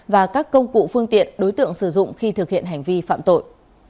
và các công cụ phương tiện đối tượng sử dụng khi thực hiện hành vi phạm tội